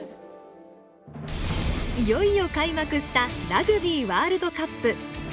いよいよ開幕したラグビーワールドカップ。